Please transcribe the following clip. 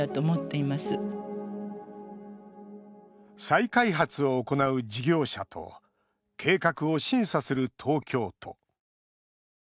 再開発を行う事業者と計画を審査する東京都。